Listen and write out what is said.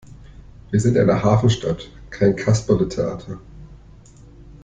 Wir sind eine Hafenstadt, kein Kasperletheater!